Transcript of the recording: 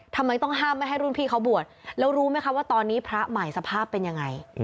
ทำไมต้องห้ามไม่ให้รุ่นพี่เขาบวชแล้วรู้ไหมคะว่าตอนนี้พระใหม่สภาพเป็นยังไง